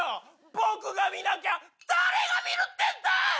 僕が見なきゃ誰が見るってんだい！